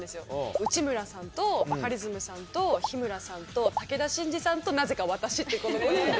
内村さんとバカリズムさんと日村さんと武田真治さんとなぜか私っていうこの５人で。